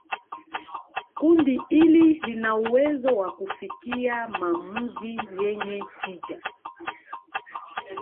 kundi hili lina uwezo wa kufikia maamuzi yenye tija